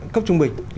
cấp trung bình